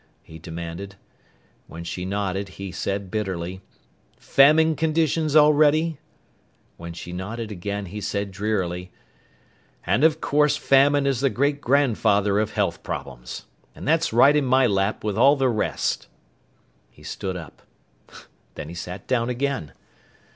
he demanded. When she nodded he said bitterly, "Famine conditions already?" When she nodded again he said drearily, "And of course famine is the great grandfather of health problems! And that's right in my lap with all the rest!" He stood up. Then he sat down again.